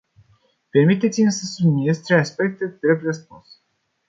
Permiteți-mi să subliniez trei aspecte drept răspuns.